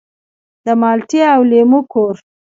د مالټې او لیمو کور.